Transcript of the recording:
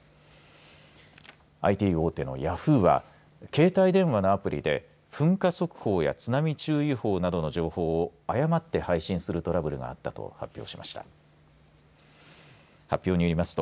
ＩＴ大手のヤフーは携帯電話のアプリで噴火速報や津波注意報などの情報を誤って配信するトラブルがあったと発表しました。